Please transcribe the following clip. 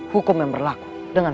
hukum yang berlaku dengan